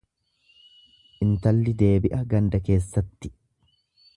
Intalli deebi'a ganda keessatti.